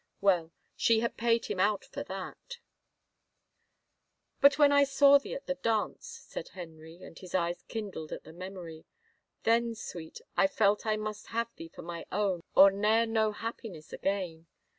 Well, she had paid him out for that !" But when I saw thee at the dance," said Henry, and his eyes kindled at the memory, " then. Sweet, I felt I must have thee for my own or ne'er know happiness again.